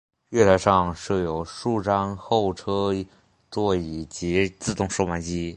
月台上设有数张候车座椅及自动售卖机。